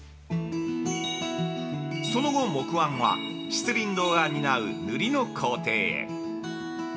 その後、木椀は、漆琳堂が担う塗りの工程へ。